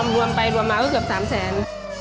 รวมไปรวมมาก็เกือบ๓แสน